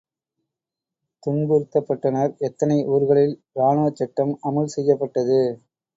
துன்புறுத்தப்பட்டனர் எத்தனை ஊர்களில் ராணுவச்சட்டம் அமுல் செய்யப்பட்டது.